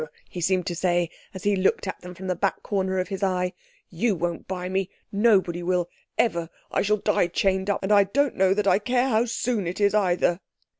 "Grrrrr," he seemed to say, as he looked at them from the back corner of his eye—"You won't buy me. Nobody will—ever—I shall die chained up—and I don't know that I care how soon it is, either!"